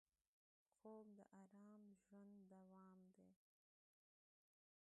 خوب د ارام ژوند دوام دی